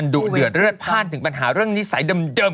ดุเดือดเลือดพลาดถึงปัญหาเรื่องนิสัยเดิม